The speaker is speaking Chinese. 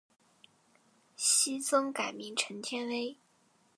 昔曾改名陈天崴。